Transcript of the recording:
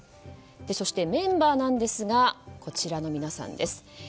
そして、メンバーなんですがこちらの皆さんです。